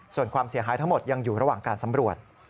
ส่วนความเสียหายทั้งหมดยังอยู่ระหว่างการสำรวจ